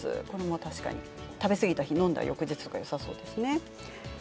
これも確かに食べ過ぎたり飲んだりしたあとにはよさそうですね。